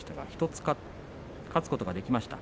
１つ勝つことができました。